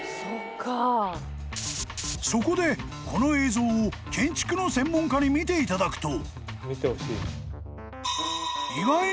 ［そこでこの映像を建築の専門家に見ていただくと］